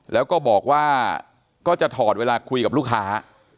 แล้วก็บอกว่าก็จะถอดเวลาคุยกับลูกค้า